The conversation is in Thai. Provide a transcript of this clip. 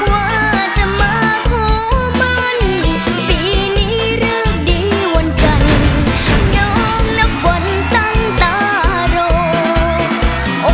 วันจันทร์น้องนับวันตั้งตาโรค